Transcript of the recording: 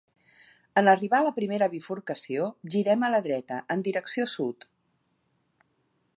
En arribar a la primera bifurcació girem a la dreta, en direcció sud.